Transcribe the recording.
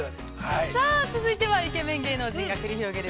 ◆さあ続いてはイケメン芸能人が繰り広げる